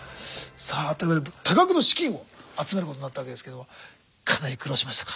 さあというわけで多額の資金を集めることになったわけですけどもかなり苦労しましたか？